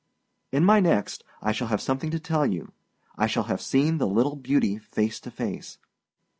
In my next I shall have something to tell you. I shall have seen the little beauty face to face.